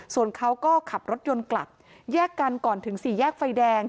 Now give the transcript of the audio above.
ส่วนเขาก็ขับรถยนต์กลับแยกกันก่อนถึงสี่แยกไฟแดง